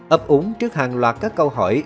ấp ủng trước hàng loạt các câu hỏi